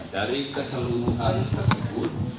dari keseluruhan tersebut